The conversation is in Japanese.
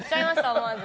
思わず。